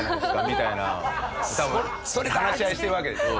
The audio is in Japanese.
みたいな多分話し合いしてるわけでしょ。